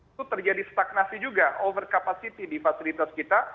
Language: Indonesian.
itu terjadi stagnasi juga over capacity di fasilitas kita